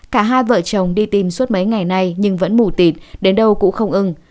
cả hai vợ chồng đi tìm suốt mấy ngày nay nhưng vẫn mù tịt đến đâu cũng không ưng